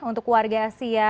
untuk warga asia